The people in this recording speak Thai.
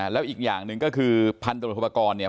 และอีกอย่างหนึ่งก็คือพันตรวจโทรปากรเนี่ย